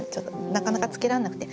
なかなかつけられなくて。